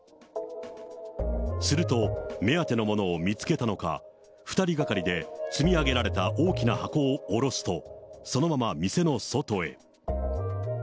すると目当てのものを見つけたのか、２人がかりで積み上げられた大きな箱を下ろすと、そのまま店の外へ。